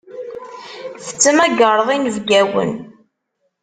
Tettmagareḍ inebgawen.